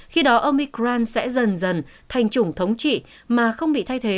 khi đó omicron sẽ dần dần thành chủng thống trị mà không bị thay thế